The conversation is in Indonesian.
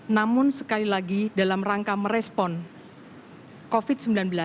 namun sekali lagi dalam rangka merespon covid sembilan belas